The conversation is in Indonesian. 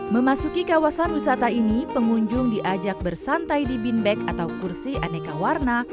memasuki kawasan wisata ini pengunjung diajak bersantai di binbag atau kursi aneka warna